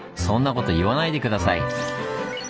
そんなこと言わないで下さい。